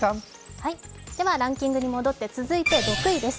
ランキングに戻って続いて６位です。